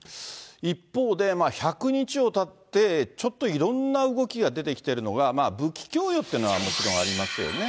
一方で、１００日がたって、ちょっといろんな動きが出てきてるのが、武器供与っていうのはもちろんありますよね。